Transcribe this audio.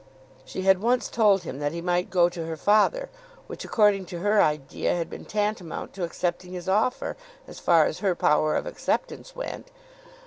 She had once told him that he might go to her father, which according to her idea had been tantamount to accepting his offer as far as her power of acceptance went.